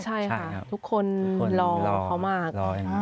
ใช่ค่ะทุกคนรอเขามาก